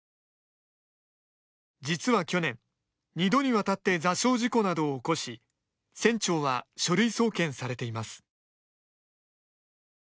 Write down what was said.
実は去年、２度にわたって座礁事故などを起こし船長は書類送検されています。